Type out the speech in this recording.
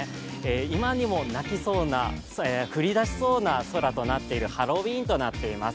今にも泣きそうな降りだしそうな空となっているハロウィーンとなっています。